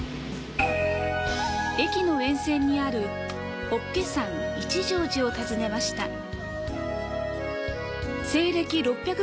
駅の沿線にある法華山一乗寺を訪ねました。